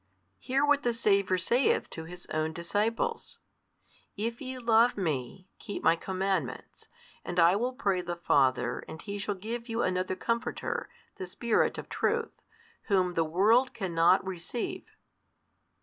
Hear what the Saviour saith to His own disciples, If ye love Me, keep My Commandments, and I will pray the Father, and He shall give you Another Comforter, the Spirit of Truth, Whom the world cannot receive.